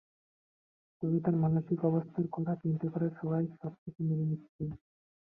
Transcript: তবে তাঁর মানসিক অবস্থার কথা চিন্তা করে সবাই সবকিছু মেনে নিচ্ছিলেন।